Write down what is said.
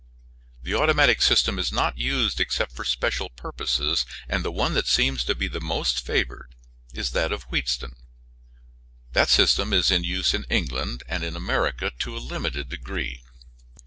The automatic system is not used except for special purposes, and the one that seems to be the most favored is that of Wheatstone. The system is in use in England and in America to a limited degree.